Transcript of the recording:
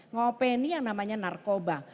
ngopeni yang namanya narkoba